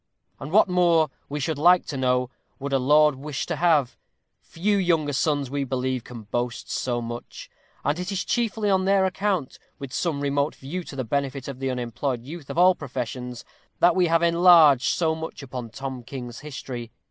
And what more, we should like to know, would a lord wish to have? Few younger sons, we believe, can boast so much; and it is chiefly on their account, with some remote view to the benefit of the unemployed youth of all professions, that we have enlarged so much upon Tom King's history.